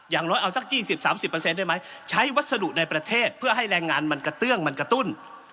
อย่างน้อยเอาสักยี่สิบสามสิบเปอร์เซ็นต์ได้มั้ยใช้วัสดุในประเทศเพื่อให้แรงงานมันกระเตื้องมันกระตุ้น